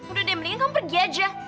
udah deh mendingan kamu pergi aja